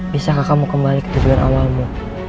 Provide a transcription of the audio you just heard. bisakah kamu kembali ke tujuan awalmu